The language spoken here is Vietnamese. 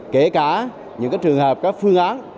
kể cả những trường hợp các phương án